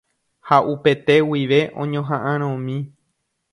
Ha upete guive oñohaʼãromi.